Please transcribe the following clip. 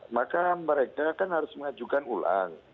maka mereka kan harus mengajukan ulang